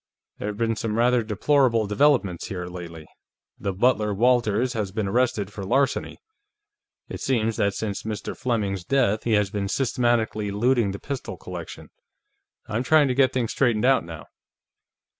"There have been some rather deplorable developments here, lately. The butler, Walters, has been arrested for larceny. It seems that since Mr. Fleming's death, he has been systematically looting the pistol collection. I'm trying to get things straightened out, now."